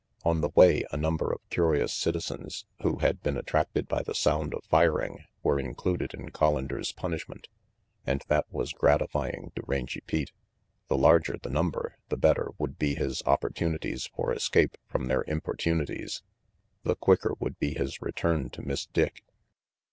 On the way a number of curious citizens who had been attracted by the sound of firing were included in (Hollander's punishment, and that was gratifying to Rangy Pete. The larger the number, the better would be his opportunities for escape from their importunities. The quicker would be his return to Miss Dick.